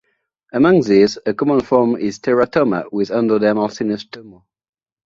Among these, a common form is teratoma with endodermal sinus tumor.